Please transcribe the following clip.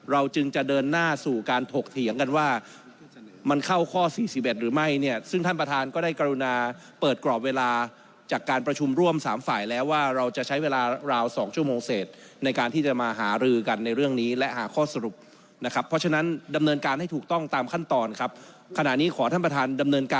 จึงจะเดินหน้าสู่การถกเถียงกันว่ามันเข้าข้อสี่สิบเอ็ดหรือไม่เนี่ยซึ่งท่านประธานก็ได้กรุณาเปิดกรอบเวลาจากการประชุมร่วมสามฝ่ายแล้วว่าเราจะใช้เวลาราวสองชั่วโมงเศษในการที่จะมาหารือกันในเรื่องนี้และหาข้อสรุปนะครับเพราะฉะนั้นดำเนินการให้ถูกต้องตามขั้นตอนครับขณะนี้ขอท่านประธานดำเน